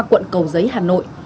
quận cầu giấy hà nội